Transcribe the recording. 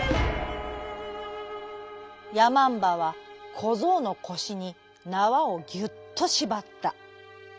やまんばはこぞうのこしになわをぎゅっとしばった。